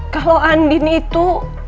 kalau andin itu